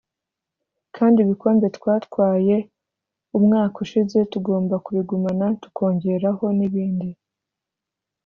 kandi ibikombe twatwaye umwaka ushize tugomba kubigumana tukongeraho n’ibindi"